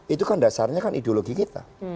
itu kan dasarnya kan ideologi kita